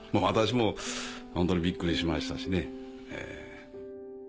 私もホントにびっくりしましたしね。